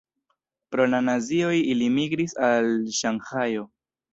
Pro la nazioj ili migris al Ŝanhajo.